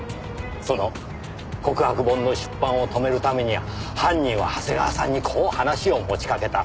その告白本の出版を止めるために犯人は長谷川さんにこう話を持ちかけた。